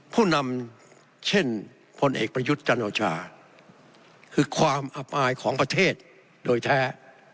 ผู้นำเช่นพลเอกประยุทธ์จันโอชาคือความอับอายของประเทศโดยแท้